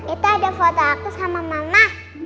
itu ada foto aku sama mama